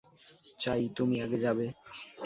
চাই, তুমি আগে যাবে।